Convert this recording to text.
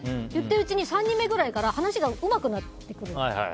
言ってるうちに３人目ぐらいから話がうまくなってくる。